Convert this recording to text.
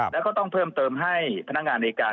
แล้วก็ต้องเพิ่มเติมให้พนักงานในการ